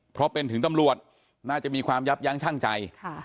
เพราะเป็นถึงตำรวจน่าจะมีความยับยั้งชั่งใจ